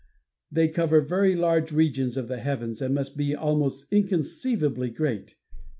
They cover very large regions of the heavens and must be almost inconceivably great.